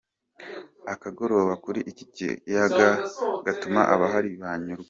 Akagoroba kuri iki kiyaga gatuma abahari banyurwa.